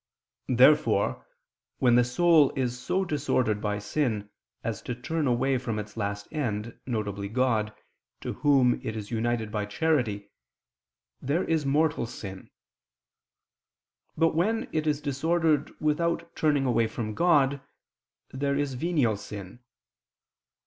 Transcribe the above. Therefore when the soul is so disordered by sin as to turn away from its last end, viz. God, to Whom it is united by charity, there is mortal sin; but when it is disordered without turning away from God, there is venial sin.